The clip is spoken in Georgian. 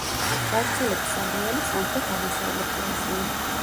გავრცელების არეალი სამხრეთ-აღმოსავლეთი აზია.